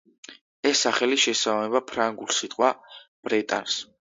ეს სახელი შეესაბამება ფრანგულ სიტყვა „ბრეტანს“.